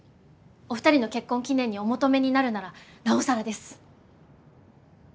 お二人の結婚記念にお求めになるならなおさらです！